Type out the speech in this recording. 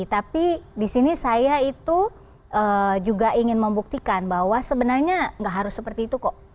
tapi di sini saya itu juga ingin membuktikan bahwa sebenarnya nggak harus seperti itu kok